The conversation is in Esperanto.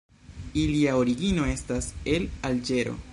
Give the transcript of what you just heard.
Ilia origino estas el Alĝero.